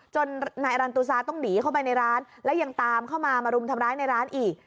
นายอรันตุซาต้องหนีเข้าไปในร้านแล้วยังตามเข้ามามารุมทำร้ายในร้านอีก